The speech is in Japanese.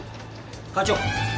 課長！